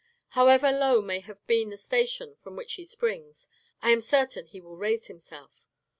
However low may have been the station from which he springs, I am certain he will raise himself.